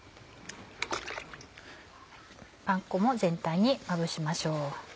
パン粉も全体にまぶしましょう。